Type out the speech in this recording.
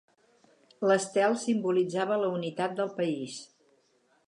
L'estel simbolitzava la unitat del país.